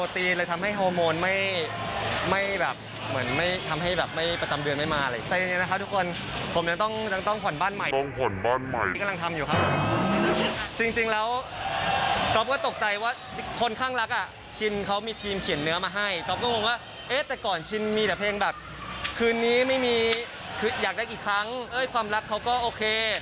ตอนนี้คืออยากได้อีกครั้งความรักเขาก็โอเค